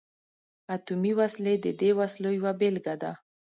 اتمي وسلې د دې وسلو یوه بیلګه ده.